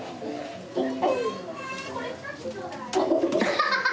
ハハハハッ！